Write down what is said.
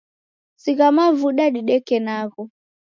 Sigha mavuda dideke nagho